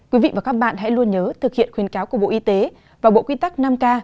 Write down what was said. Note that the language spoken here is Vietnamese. quý vị và các bạn hãy luôn nhớ thực hiện khuyến cáo của bộ y tế và bộ quy tắc năm k